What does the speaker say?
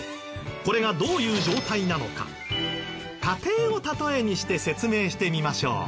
これがどういう状態なのか家庭を例えにして説明してみましょう。